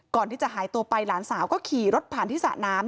ก่อนที่จะหายตัวไปหลานสาวก็ขี่รถผ่านที่สระน้ำ